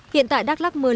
hiện tại đắk lắc mưa lớn